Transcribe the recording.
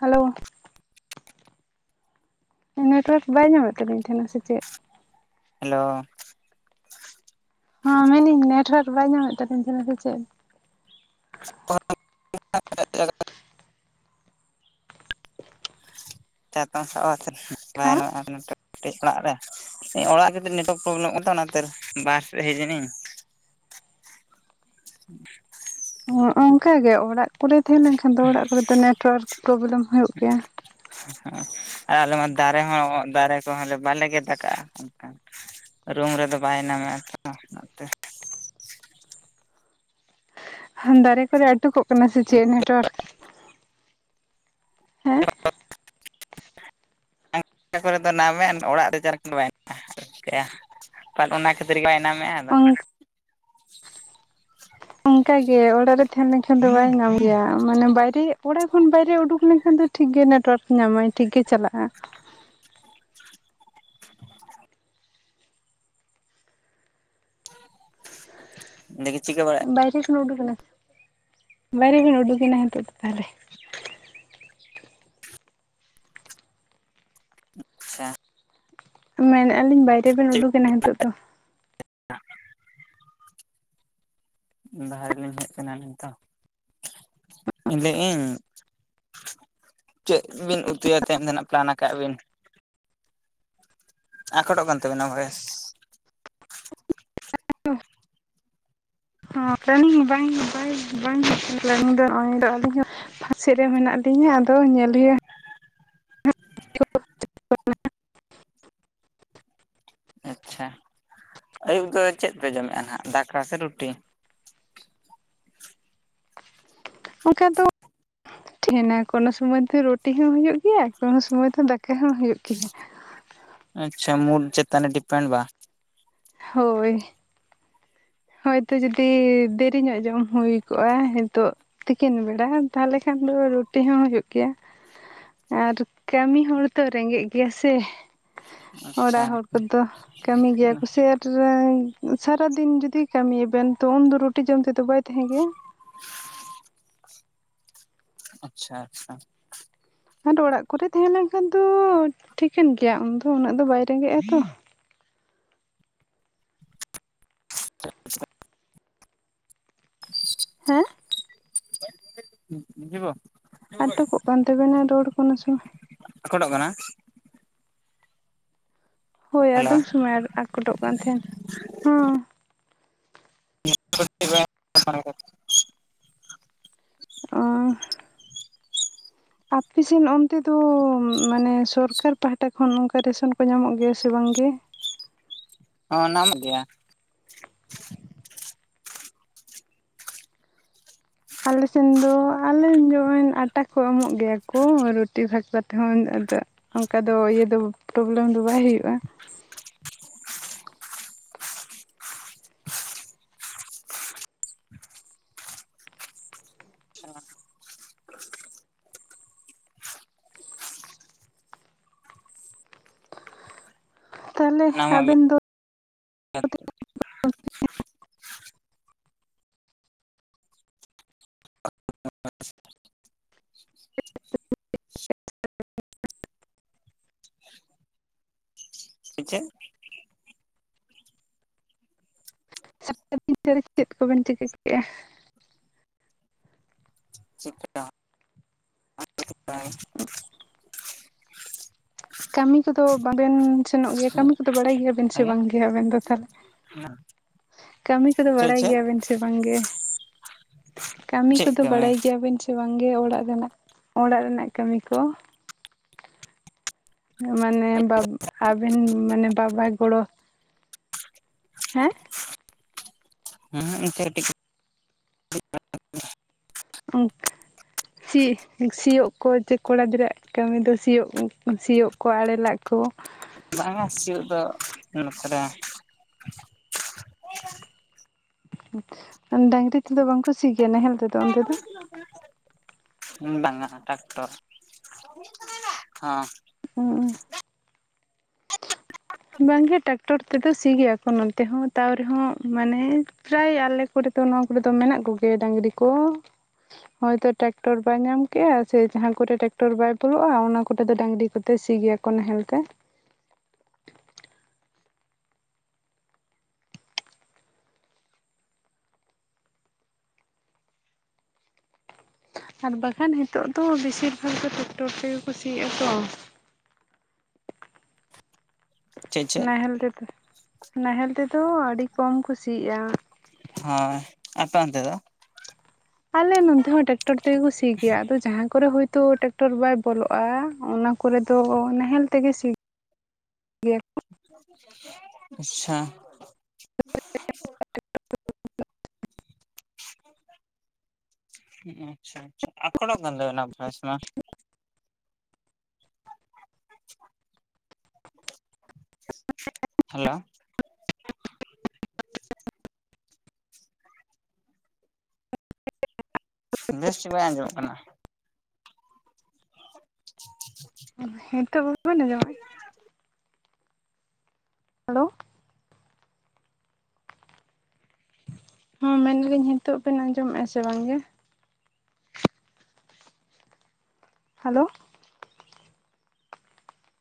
Hello network ᱵᱟᱭ ᱧᱟᱢᱮᱫ ᱛᱟᱹᱵᱤᱱ ᱛᱟᱦᱮᱸᱱᱟ ᱥᱮ ᱪᱮᱫ? ᱦᱮᱞᱳ ᱦᱮᱸ ᱢᱮᱱ ᱫᱤᱧ ᱱᱮᱴᱣᱟᱨᱠ ᱵᱟᱭ ᱧᱟᱢᱮᱫ ᱛᱟᱦᱮᱜ ᱥᱮ ᱪᱮᱫ? [unintelligible] ᱪᱟᱛᱷᱟᱢ ᱥᱟᱵ ᱠᱟᱛᱮ ᱵᱟᱭ ᱦᱮᱸ ᱧᱚᱜ-ᱟ ᱠᱟᱹᱴᱤᱡ ᱚᱲᱟᱜ ᱨᱮ᱾ ᱚᱲᱟᱜ ᱨᱮᱛ ᱱᱮᱴᱣᱟᱨᱠ ᱯᱨᱚᱵᱽᱞᱮᱢ ᱚᱱᱟᱛᱮᱨ ᱵᱟᱦᱟᱨ ᱥᱮᱫ ᱦᱮᱡ ᱤᱱᱟᱹᱧ᱾ ᱚᱱᱠᱟ ᱜᱮ ᱚᱲᱟᱜ ᱠᱚᱨᱮ ᱛᱟᱦᱮᱸ ᱞᱮᱱ ᱠᱷᱟᱱ ᱫᱚ ᱚᱲᱟᱜ ᱠᱚᱨᱮᱫᱚ ᱱᱮᱴᱣᱟᱨᱠ ᱯᱨᱚᱵᱽᱞᱮᱢ ᱦᱩᱭᱩᱜ ᱜᱮᱭᱟ᱾ ᱟᱨ ᱟᱞᱮ ᱢᱟ ᱫᱟᱨᱮ ᱦᱚᱸ ᱫᱟᱨᱮ ᱠᱚᱦᱚᱸ ᱵᱟᱞᱮ ᱜᱮᱫ ᱠᱟᱜ-ᱟ ᱚᱱᱠᱷᱟ᱾ ᱨᱩᱢ ᱨᱮᱫᱚ ᱵᱟᱭ ᱧᱟᱢᱮᱫ ᱟᱛᱚ ᱚᱱᱟᱛᱮ᱾ ᱫᱟᱨᱮ ᱠᱚᱨᱮ ᱟᱴᱚᱠᱚᱜ ᱠᱟᱱᱟ ᱥᱮ ᱪᱮᱫ ᱱᱮᱴᱣᱟᱨᱠ ᱦᱮᱸ᱾ [unintelligible] ᱠᱚᱨᱮ ᱫᱚ ᱱᱟᱢᱮ ᱚᱲᱟᱜᱨᱮ ᱪᱟ ᱠᱟᱛᱮ ᱵᱟᱭ ᱧᱟᱢᱮᱫ ᱪᱤᱠᱟᱭᱟ᱾ ᱛᱟᱦᱚᱞᱮ ᱚᱱᱟ ᱠᱷᱟᱹᱛᱤᱨ ᱜᱮ ᱵᱟᱭ ᱱᱟᱢᱮᱫ-ᱟ ᱟᱫᱚ᱾ ᱦᱮᱸ ᱚᱱᱠᱟᱜᱮ ᱚᱲᱟᱜ ᱨᱮ ᱛᱟᱦᱮᱸ ᱞᱮᱱᱠᱷᱟᱱ ᱫᱚ ᱵᱟᱭ ᱧᱟᱢ ᱜᱮᱭᱟ ᱢᱟᱱᱮ ᱵᱟᱭᱨᱮ ᱚᱲᱟᱜ ᱠᱷᱚᱱ ᱵᱟᱭᱨᱮ ᱩᱰᱩᱠ ᱞᱮᱱᱠᱷᱟᱱ ᱫᱚ ᱴᱷᱤᱠ ᱜᱮ ᱱᱮᱴᱳᱟᱨᱠ ᱧᱟᱢᱟᱭ ᱴᱷᱤᱠ ᱜᱮ ᱪᱟᱞᱟᱜ-ᱟ᱾ ᱱᱮᱜᱮ ᱪᱤᱠᱟᱹ ᱵᱟᱲᱟᱜ ᱵᱟᱭᱨᱮ ᱠᱷᱚᱱ ᱩᱰᱩᱠᱮᱱᱟ ᱵᱟᱭᱨᱮ ᱠᱷᱚᱱ ᱩᱰᱩᱠᱮᱱᱟ ᱦᱤᱛᱚᱜ ᱫᱚ ᱛᱟᱦᱚᱞᱮ᱾ ᱟᱪᱪᱷᱟ ᱢᱮᱱᱮᱜ ᱟᱹᱤᱧ ᱵᱟᱭᱨᱮᱵᱱ ᱪᱮᱫ ᱩᱰᱩᱠᱮᱱᱟ ᱱᱤᱛᱳ ᱫᱚ᱾ [unintelligible] ᱵᱟᱦᱟᱨ ᱨᱮᱞᱤᱧ ᱦᱮᱡ ᱟᱠᱟᱱᱟ ᱱᱤᱛᱚᱜ᱾ ᱤᱧ ᱞᱟᱹᱭ ᱤᱧ ᱪᱮᱫ ᱵᱤᱱ ᱩᱛᱩᱭᱟ ᱛᱮᱦᱮᱧ ᱫᱚᱱᱟ ᱯᱞᱟᱱ ᱟᱠᱟᱜ ᱟᱵᱤᱱ? ᱟᱠᱚᱴᱚᱜ ᱠᱟᱱ ᱛᱟᱵᱮᱱᱟ ᱵᱚᱭᱮᱥ᱾ ᱯᱮᱟᱱᱤᱝ ᱵᱟᱝ ᱵᱟᱝᱮᱱᱤᱝ [inaudible] ᱫᱚ ᱱᱚᱜᱚᱭ ᱟᱹᱰᱤ ᱡᱩᱨ ᱵᱟᱦᱟᱨ ᱥᱮᱜ ᱨᱮ ᱢᱮᱱᱟᱜ ᱞᱤᱧᱟ ᱟᱫᱚ ᱧᱮᱞ ᱦᱩᱭᱩᱜ-ᱟ᱾ [unintelligible] ᱟᱪᱪᱷᱟ ᱟᱹᱭᱩᱵ ᱫᱚ ᱪᱮᱫ ᱯᱮ ᱡᱚᱢᱮᱫ-ᱟ ᱱᱟᱦᱟᱜ ᱫᱟᱠᱟ ᱥᱮ ᱨᱩᱴᱤ? ᱚᱱᱠᱟ ᱫᱚ ᱦᱮᱱᱟ ᱠᱳᱱᱳ ᱥᱩᱚᱢᱚᱭ ᱫᱚ ᱨᱩᱴᱤ ᱦᱚᱸ ᱦᱩᱭᱩᱜᱭ ᱜᱮᱭᱟ ᱠᱳᱱᱳ ᱥᱩᱚᱢᱚᱭ ᱫᱚ ᱫᱟᱠᱟ ᱦᱚᱸ ᱦᱩᱭᱩᱜ ᱜᱮᱭᱟ᱾ ᱟᱪᱪᱷᱟ ᱢᱩᱞ ᱪᱮᱛᱟᱱᱮ ᱰᱤᱯᱮᱱᱰ ᱵᱟ ᱦᱳᱭ ᱦᱳᱭᱛᱚ ᱡᱩᱫᱤ ᱫᱮᱨᱤᱧᱚᱜ ᱡᱚᱢ ᱦᱩᱭ ᱠᱚᱜ-ᱟ ᱦᱤᱛᱚᱜ᱾ ᱛᱤᱠᱤᱱ ᱵᱮᱲᱟ ᱛᱟᱦᱚᱞᱮ ᱠᱷᱟᱱ ᱫᱚ ᱨᱩᱴᱤ ᱦᱚᱸ ᱦᱩᱭᱩᱜ ᱜᱮᱭᱟ᱾ ᱟᱨ ᱠᱟᱹᱢᱤ ᱦᱚᱲ ᱛᱚ ᱨᱮᱸᱜᱮᱡ ᱜᱮᱭᱟ ᱥᱮ᱾ ᱚᱲᱟᱜ ᱟᱪᱪᱷᱟ ᱦᱚᱲ ᱠᱚᱫᱚ ᱠᱟᱹᱢᱤ ᱜᱮᱭᱟ ᱠᱚ ᱥᱮᱴᱨᱮ ᱥᱟᱨᱟᱫᱤᱱ ᱡᱩᱫᱤ, ᱠᱟᱹᱢᱤᱭᱟ ᱵᱮᱱ ᱛᱚ ᱩᱱᱫᱚ ᱨᱩᱴᱤ ᱡᱚᱢ ᱛᱮᱫᱚ ᱵᱟᱭ ᱛᱟᱸᱦᱮ ᱜᱮᱭᱟ᱾ ᱟᱪᱪᱷᱟ ᱟᱪᱪᱷᱟ, ᱟᱨ ᱚᱲᱟᱜ ᱠᱚᱨᱮ ᱛᱟᱸᱦᱮ ᱞᱮᱱ ᱠᱷᱟᱱ ᱫᱚ ᱴᱷᱤᱠᱟᱹᱱ ᱜᱮᱭᱟ ᱩᱱᱫᱚ ᱩᱱᱟᱹᱜ ᱫᱚ ᱵᱟᱭ ᱨᱮᱸᱜᱮᱡᱽ ᱟᱛᱚ, [inaudible] ᱦᱮᱸ [inaudible] ᱟᱴᱚᱠᱚᱜ ᱠᱟᱱ ᱛᱟᱹᱵᱮᱱᱟ ᱨᱚᱲ ᱠᱚ ᱱᱟᱥᱮ, [inaudible] ᱦᱳᱭ ᱦᱮᱞᱳ ᱟᱫᱚᱢ ᱥᱚᱢᱚᱭ ᱟᱠᱚᱴᱚᱜ ᱠᱟᱱ ᱛᱟᱸᱦᱮᱱ ᱦᱚᱸ [inaudible] ᱚᱸᱻ ᱟᱯᱮᱥᱮᱱ ᱚᱱᱛᱮ ᱫᱚ ᱢᱟᱱᱮ ᱥᱚᱨᱠᱟᱨ ᱯᱟᱦᱴᱟ ᱠᱷᱚᱱ ᱱᱚᱝᱠᱟ ᱨᱮᱥᱚᱱ ᱠᱚ ᱧᱟᱢᱚᱜ ᱜᱮᱭᱟ ᱥᱮ ᱵᱟᱝᱜᱮ, ᱦᱚᱸ ᱧᱟᱢᱚᱜ ᱜᱮᱭᱟ᱾ ᱟᱞᱮᱥᱮᱱ ᱫᱚ ᱟᱞᱮ ᱡᱚᱜᱼᱚᱭ ᱟᱴᱟ ᱠᱚ ᱮᱢᱚᱜ ᱜᱮᱭᱟ ᱠᱚ ᱨᱩᱴᱤ ᱵᱷᱟᱠᱨᱟ ᱛᱮᱸᱦᱚ ᱟᱫᱚ᱾ ᱚᱱᱠᱟ ᱫᱚ ᱤᱭᱟᱹ ᱫᱚ ᱯᱨᱚᱵᱞᱮᱢ ᱫᱚ ᱵᱟᱭ ᱦᱩᱭᱩᱜᱼᱟ᱾ ᱛᱟᱦᱚᱞᱮ ᱧᱟᱢᱚᱜ ᱜᱮᱭᱟ ᱟᱵᱮᱱ ᱫᱚ, [inaudible] [inaudible] [inaudible] ᱨᱮ ᱪᱮᱫ ᱠᱚᱵᱮᱱ ᱪᱤᱠᱟᱹ ᱠᱮᱫᱼᱟ᱾ [inaudible] [inaudible] ᱠᱟᱹᱢᱤ ᱠᱚᱫᱚ ᱵᱟᱵᱮᱱ ᱥᱮᱱᱚᱜ ᱜᱮᱭᱟ, ᱠᱟᱹᱢᱤ ᱠᱚᱫᱚ ᱵᱟᱲᱟᱭ ᱜᱮᱭᱟᱵᱮᱱ ᱥᱮ ᱵᱟᱝ ᱜᱮ ᱟᱵᱮᱱ ᱫᱚ ᱛᱟᱦᱚᱞᱮ ᱾ ᱠᱟᱹᱢᱤ ᱠᱚᱫᱚ ᱪᱮᱫ ᱵᱟᱲᱟᱭ ᱪᱮᱫ ᱜᱮᱭᱟᱵᱮᱱ ᱥᱮ ᱵᱟᱝᱜᱮ, ᱠᱟᱹᱢᱤ ᱪᱮᱫ ᱠᱚᱫᱚ ᱠᱟᱹᱢᱤ ᱵᱟᱲᱟᱭ ᱜᱮᱭᱟᱵᱮᱱ ᱥᱮ ᱵᱟᱝᱜᱮ ᱚᱲᱟᱜ ᱨᱮᱱᱟᱜ ᱚᱲᱟᱜ ᱨᱮᱱᱟᱜ ᱠᱟᱹᱢᱤ ᱠᱚ, ᱢᱟᱱᱮ ᱵᱟ ᱟᱵᱮᱱ ᱢᱟᱱᱮ ᱵᱟᱵᱟ ᱜᱚᱲᱚ, ᱦᱮᱸ ᱦᱮᱸ ᱮᱱᱛᱮ ᱠᱟᱹᱴᱤᱡᱽ, ᱚᱱᱠᱟ ᱥᱤᱭᱳᱜ ᱠᱚ ᱡᱮ ᱠᱚᱲᱟ ᱜᱤᱫᱽᱨᱟᱹᱣᱟᱜ ᱠᱟᱹᱢᱤ ᱫᱚ ᱥᱤᱭᱳᱜ ᱥᱤᱭᱳᱜ, ᱠᱚ ᱟᱲᱮ ᱞᱟᱜ ᱠᱚ, ᱵᱟᱝ ᱟ ᱥᱤᱭᱳᱜ ᱫᱚ [inaudible] ᱰᱟᱝᱨᱤ ᱛᱮᱫᱚ ᱵᱟᱝᱠᱚ ᱥᱤ ᱜᱮᱭᱟ ᱱᱟᱦᱮᱞ ᱛᱮᱫᱚ ᱚᱱᱛᱮ ᱫᱚ, [inaudible] ᱦᱩᱸ ᱵᱟᱝ-ᱟ ᱴᱮᱠᱴᱚᱨ, ᱦᱩᱸᱻ ᱵᱟᱝᱜᱮ ᱴᱮᱠᱴᱚᱨ ᱛᱮᱫᱚ ᱥᱤ ᱜᱮᱭᱟ ᱠᱚ ᱱᱚᱱᱛᱮ ᱦᱚᱸ ᱛᱟᱣ ᱨᱮᱦᱚᱸ ᱢᱟᱱᱮ, ᱯᱨᱟᱭ ᱟᱞᱮ ᱠᱚᱨᱮ ᱫᱚ ᱱᱚᱣᱟ ᱠᱚᱨᱮ ᱫᱚ ᱢᱮᱱᱟᱜ ᱠᱚᱜᱮ ᱰᱟᱹᱝᱨᱤ ᱠᱚ, ᱦᱚᱭᱛᱚ ᱴᱮᱠᱴᱚᱨ ᱵᱟᱭ ᱧᱟᱢ ᱠᱮᱜᱼᱟ ᱥᱮ ᱡᱟᱦᱟᱸ ᱠᱚᱨᱮ ᱴᱮᱠᱴᱚᱨ ᱵᱟᱭ ᱵᱚᱞᱚᱜᱼᱟ ᱚᱱᱟ ᱠᱚᱨᱮ ᱫᱚ ᱰᱟᱹᱝᱨᱤ ᱠᱚᱛᱮ ᱥᱤ ᱜᱮᱭᱟ᱾ ᱠᱚ ᱱᱟᱦᱮᱞ ᱛᱮ, ᱟᱨ ᱵᱟᱠᱷᱟᱱ ᱱᱤᱛᱚᱜ ᱫᱚ ᱵᱮᱥᱤᱨ ᱵᱷᱟᱜ ᱜᱮ ᱴᱨᱟᱠᱴᱚᱨ ᱛᱮᱜᱮ ᱠᱩ ᱥᱤ ᱮᱫᱟ ᱛᱚ, ᱪᱮᱫ ᱪᱮᱫ ᱱᱟᱦᱮᱞ ᱛᱮᱫᱚ ᱱᱟᱦᱮᱞ ᱛᱮᱫᱚ ᱟᱹᱰᱤ ᱠᱚᱢ ᱠᱩ ᱥᱤ ᱮᱜ-ᱟ᱾ ᱦᱚᱸ ᱟᱯᱮ ᱚᱱᱛᱮ ᱫᱚ, ᱟᱞᱮ ᱱᱚᱛᱮ ᱦᱚᱸ ᱴᱮᱠᱴᱚᱨ ᱛᱮᱜᱮ ᱠᱚ ᱥᱤ ᱜᱮᱭᱟ ᱟᱫᱚ ᱡᱟᱸᱦᱟ ᱠᱚᱨᱮ ᱦᱳᱭᱛᱚ ᱴᱮᱠᱴᱚᱨ ᱵᱟᱭ ᱵᱚᱞᱚᱜᱼᱟ ᱚᱱᱟ, ᱠᱚᱨᱮ ᱫᱚ ᱱᱟᱦᱮᱞ ᱛᱮᱜᱮ ᱥᱤ ᱜᱮᱭᱟ ᱠᱚ, ᱟᱪᱪᱷᱟ, ᱟᱪᱪᱷᱟ ᱟᱪᱪᱷᱟ ᱟᱠᱚᱴᱚᱜ ᱠᱟᱱ ᱛᱟ. ᱵᱤᱱᱟ ᱵᱷᱚᱭᱮᱥ ᱢᱟ, ᱦᱮᱞᱳ [inaudible] ᱵᱮᱥ ᱴᱤᱠ ᱵᱟᱭ ᱟᱸᱡᱚᱢᱚᱜ ᱠᱟᱱᱟ [inaudible] ᱦᱮᱸᱛᱚᱜ ᱵᱟᱵᱮᱱ ᱟᱸᱡᱚᱢᱮᱜ - ᱟ ᱦᱮᱞᱳ ᱦᱚᱸ ᱢᱮᱱ ᱫᱟᱹᱞᱤᱧ ᱱᱤᱛᱚᱜ ᱵᱮᱱ ᱟᱸᱡᱚᱢᱮᱜᱼᱟ ᱥᱮ ᱵᱟᱝᱜᱮ ᱦᱮᱞᱳ